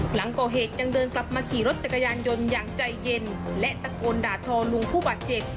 หลังก่อเหตุยังเดินกลับมาขี่รถจักรยานยนต์อย่างใจเย็นและตะโกนด่าทอลุงผู้บาดเจ็บ